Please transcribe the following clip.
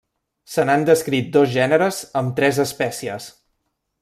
Se n'han descrit dos gèneres amb tres espècies.